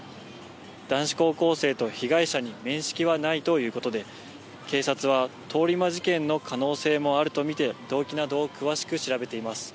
男子高校生と被害者に面識はないということで、警察は通り魔事件の可能性もあると見て、動機などを詳しく調べています。